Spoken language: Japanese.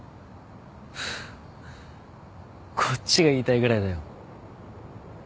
はぁこっちが言いたいぐらいだよ。